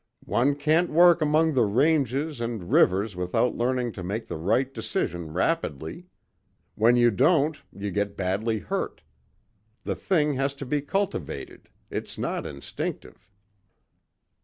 "One can't work among the ranges and rivers without learning to make the right decision rapidly. When you don't, you get badly hurt. The thing has to be cultivated, it's not instinctive."